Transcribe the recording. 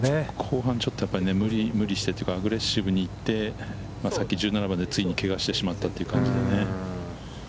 後半ちょっと無理してというか、アグレッシブに行って、さっき、１７番でついにけがしてしまったという感じですね。